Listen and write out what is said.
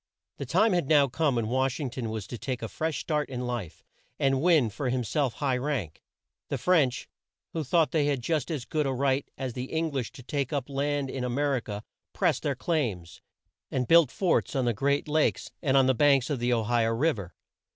The time had now come when Wash ing ton was to take a fresh start in life, and win for him self high rank. The French, who thought they had just as good a right as the Eng lish to take up land in A mer i ca, pressed their claims, and built forts on the great Lakes and on the banks of the O hi o Riv er.